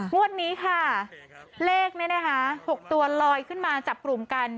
งวดนี้ค่ะเลขนี้นะคะ๖ตัวลอยขึ้นมาจับกลุ่มกัน